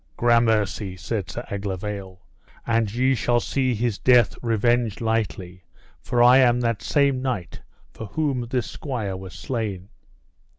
Gramercy, said Sir Aglovale, and ye shall see his death revenged lightly; for I am that same knight for whom this squire was slain.